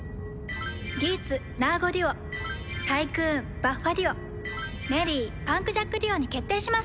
ギーツナーゴデュオタイクーンバッファデュオメリーパンクジャックデュオに決定しました。